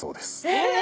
えっ！